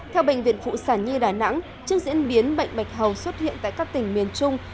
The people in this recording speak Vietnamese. theo bệnh viện phụ sản nhi đà nẵng trước diễn biến bệnh bạch hầu xuất hiện tại các tỉnh miền trung